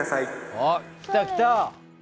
あっ来た来た。